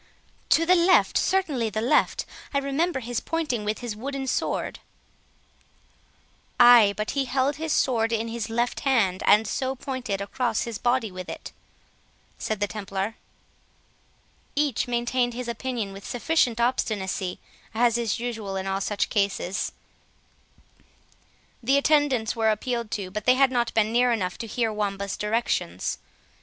"To the left, certainly, the left; I remember his pointing with his wooden sword." "Ay, but he held his sword in his left hand, and so pointed across his body with it," said the Templar. Each maintained his opinion with sufficient obstinacy, as is usual in all such cases; the attendants were appealed to, but they had not been near enough to hear Wamba's directions.